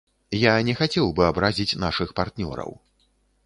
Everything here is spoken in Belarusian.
Я не хацеў бы абразіць нашых партнёраў.